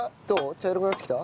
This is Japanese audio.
茶色くなってきた？